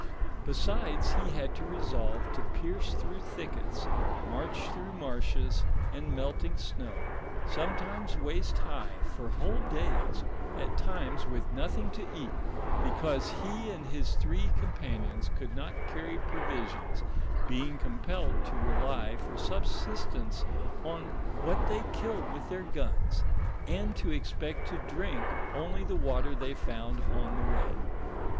Besides, he had to resolve to pierce through thickets, march through marshes and melting snow, sometimes waist high, for whole days, at times with nothing to eat, because he and his three companions could not carry provisions, being compelled to rely for subsistence on what they killed with their guns, and to expect to drink only tho water they found on the way.